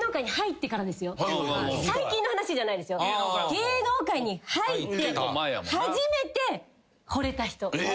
芸能界に入って初めてほれた人。え！？